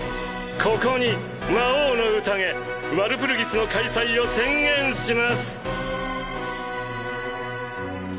ここに魔王の宴ワルプルギスの開催を宣言します！